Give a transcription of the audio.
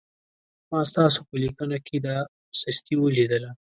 ما ستاسو په لیکنه کې دا سستي ولیدله.